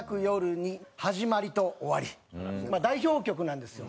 まあ代表曲なんですよ。